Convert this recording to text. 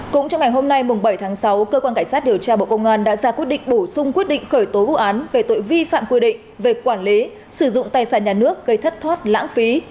cũng trong ngày hôm nay bảy tháng sáu cơ quan cảnh sát điều tra bộ công an đã ra quyết định bổ sung quyết định khởi tố vụ án về tội vi phạm quy định về quản lý sử dụng tài sản nhà nước gây thất thoát lãng phí